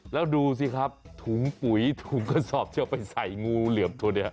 แล้วดูสิครับถุงปุ๋ยถุงกระสอบที่เอาไปใส่งูเหลือมตัวนี้